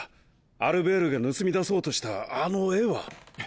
アルベールが盗み出そうとしたあの絵は。